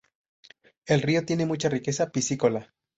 El río tiene mucha riqueza piscícola.